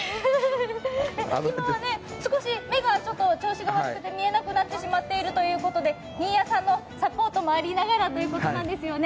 今はちょっと目の調子が悪くて見えなくなってしまっているということで新谷さんのサポートもありながらということなんですよね。